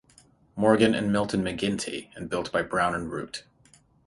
Morgan and Milton McGinty and built by Brown and Root.